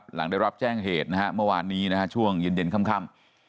หลังได้รับแจ้งเหตุนะฮะเมื่อวานนี้นะฮะช่วงเย็นค่ำ